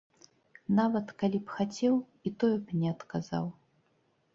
Нават калі б хацеў, і тое б не адказаў!